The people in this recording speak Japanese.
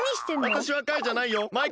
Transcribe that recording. わたしはカイじゃないよマイカだよ。